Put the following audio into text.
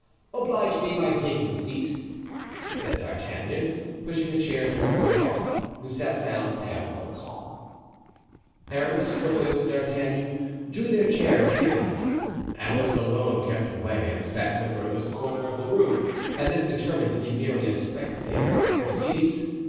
"Oblige me by taking a seat," said D'Artagnan, pushing a chair toward Mordaunt, who sat down, pale but calm. Aramis, Porthos and D'Artagnan drew their chairs near him. Athos alone kept away and sat in the furthest corner of the room, as if determined to be merely a spectator of the proceedings.